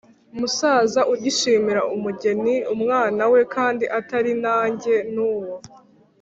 musaza ugishimira umugeni umwana we. Kandi atari nange, n’uwo